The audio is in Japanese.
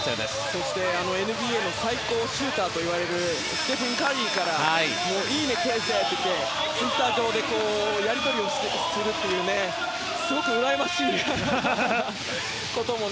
そしてＮＢＡの最高シューターといわれるステフィン・カリーからいいね、啓生はってツイッター上でやり取りをするというすごくうらやましいことも。